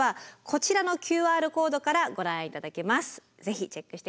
こちらのＱＲコードからご覧頂けます。